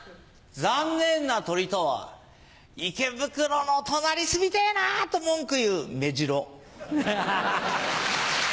残念な鳥とは池袋の隣住みてぇなと文句言うメジロ。